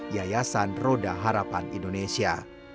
yayasan roda harapan indonesia